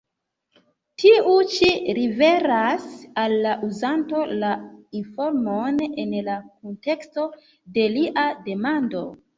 Tiu ĉi liveras al la uzanto la informon en la kunteksto de lia demando.